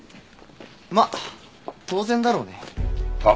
まあ当然だろうね。は？